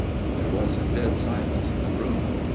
There was a dead silence in the room.